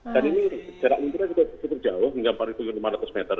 dan ini jarak linturan sudah jauh hingga empat lima ratus meter